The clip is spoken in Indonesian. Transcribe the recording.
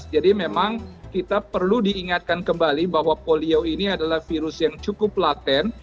jadi memang kita perlu diingatkan kembali bahwa polio ini adalah virus yang cukup laten